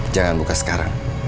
jangan buka sekarang